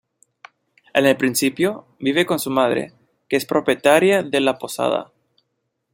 En el principio, vive con su madre, que es propietaria de la posada.